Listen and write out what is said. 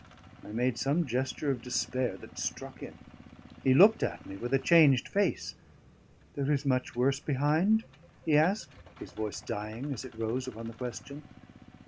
I made some gesture of despair that struck him; he looked at me with a changed face. "There is much worse behind?" he asked, his voice dying as it rose upon the question.